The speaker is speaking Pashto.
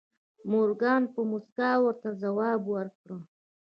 مورګان په موسکا ورته ځواب ورکړ